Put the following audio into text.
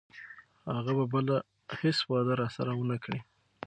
هغه به بله هیڅ وعده راسره ونه کړي.